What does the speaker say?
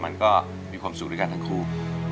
มันก็มีความสุขด้วยกันทั้งคู่